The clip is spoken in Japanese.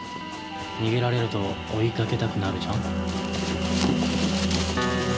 逃げられると追いかけたくなるじゃん？